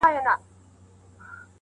نو ځکه هغه ته پرده وايو,